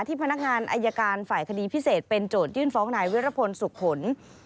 พนักงานอายการฝ่ายคดีพิเศษเป็นโจทยื่นฟ้องนายวิรพลสุขผล